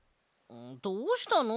どうしたの？